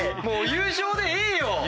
もう優勝でええよ。